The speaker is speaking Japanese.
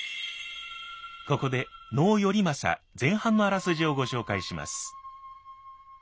ここで能「頼政」前半のあらすじをご紹介します。